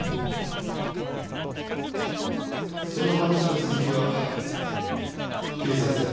その話の続きは警察で。